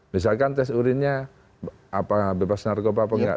misalkan tes urinnya bebas narkoba apa nggak